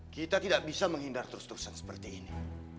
kita tidak bisa menghindar terus terusan seperti ini